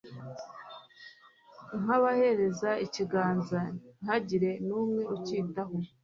nkabahereza ikiganza ntihagire n'umwe ucyitaho